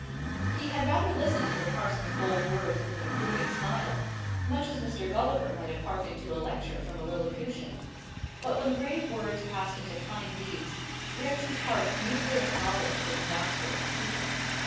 He had rather listened to the parson's bold words with an approving smile, much as Mr. Gulliver might have hearkened to a lecture from a Lilliputian. But when brave words passed into kind deeds, Gregson's heart mutely acknowledged its master and keeper.